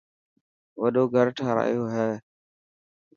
وڏو گهر ٺارايو هي.